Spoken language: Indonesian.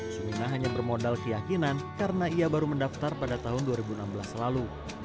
sumina hanya bermodal keyakinan karena ia baru mendaftar pada tahun dua ribu enam belas lalu